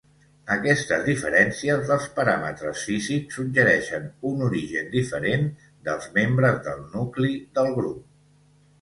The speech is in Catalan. Aquestes diferències dels paràmetres físics suggereixen un origen diferent dels membres del nucli del grup.